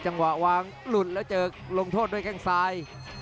จังหวะวางหลุดแล้วเจอลงโทษด้วยแข้งซ้าย